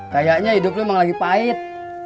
kayaknya hidup tuh emang lagi pahit